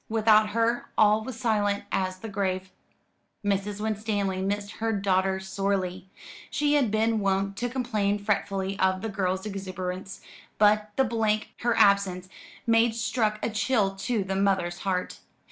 Without her all was silent as the grave. Mrs. Winstanley missed her daughter sorely. She had been wont to complain fretfully of the girl's exuberance; but the blank her absence made struck a chill to the mother's heart.